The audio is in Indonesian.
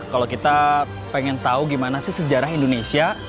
kalau kita pengen tahu gimana sih sejarah indonesia